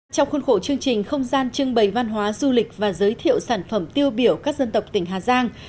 trong khuôn khổ chương trình không gian trưng bày văn hóa du lịch và giới thiệu sản phẩm tiêu biểu các dân tộc tỉnh hà giang